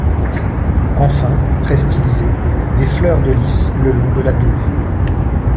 Enfin, très stylisées, des fleurs de lys le long de la douve.